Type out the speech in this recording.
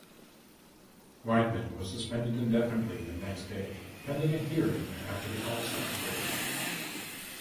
Wideman was suspended indefinitely the next day, pending a hearing after the All-Star break.